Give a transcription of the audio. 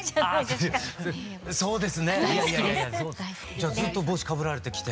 じゃあずっと帽子かぶられてきて。